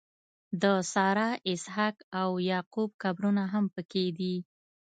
د سارا، اسحاق او یعقوب قبرونه هم په کې دي.